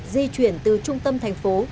di chuyển từ trung tâm thành phố